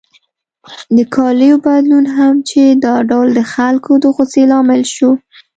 د کالیو بدلون هم چې دا ټول د خلکو د غوسې لامل شو.